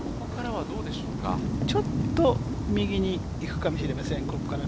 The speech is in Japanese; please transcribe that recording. ちょっと右に行くかもしれませんここから。